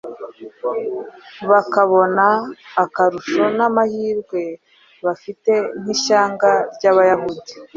bakabona akarusho n’amahirwe bafite nk’ishyanga ry’Abayahudi.